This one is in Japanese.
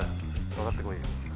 かかってこいや。